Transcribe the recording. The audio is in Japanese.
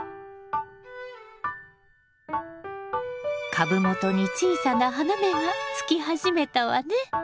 株元に小さな花芽がつき始めたわね。